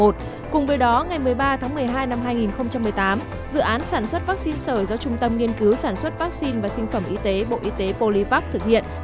cùng với đó ngày một mươi ba tháng một mươi hai năm hai nghìn một mươi tám dự án sản xuất vaccine sở do trung tâm nghiên cứu sản xuất vaccine và sinh phẩm y tế bộ y tế polivac thực hiện